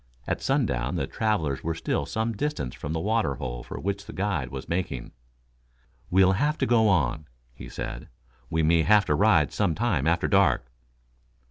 At sundown the travelers were still some distance from the water hole for which the guide was making. "We'll have to go on," he said. "We may have to ride some time after dark."